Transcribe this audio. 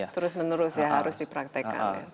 terus menerus ya harus dipraktekkan